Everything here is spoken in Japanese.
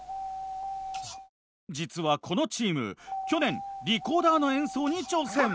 実はこのチーム去年リコーダーの演奏に挑戦。